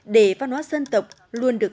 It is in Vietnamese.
để văn hoá dân tộc luôn được